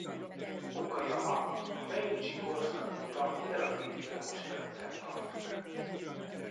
Okajama a Meidzsi-korszak óta operatív villamos rendszert tart fenn.